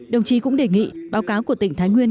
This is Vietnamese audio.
đồng chí cũng đề nghị báo cáo của tỉnh thái nguyên